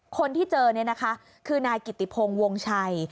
คนที่เจอเนี่ยนะคะคือนายกิติพงศ์วงชัย